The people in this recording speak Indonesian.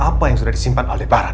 apa yang sudah disimpan aldebaran